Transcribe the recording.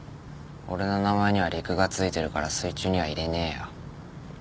俺の名前には陸がついてるから水中にはいれねえよ。